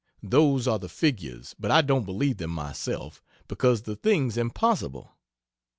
Those are the figures, but I don't believe them myself, because the thing's impossible.